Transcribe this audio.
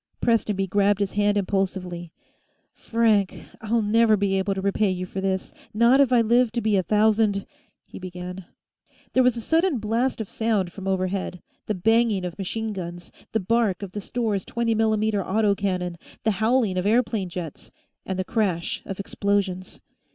Prestonby grabbed his hand impulsively. "Frank! I'll never be able to repay you for this, not if I live to be a thousand " he began. There was a sudden blast of sound from overhead the banging of machine guns, the bark of the store's 20 mm auto cannon, the howling of airplane jets, and the crash of explosions.